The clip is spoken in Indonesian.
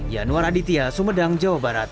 yanwar aditya sumedang jawa barat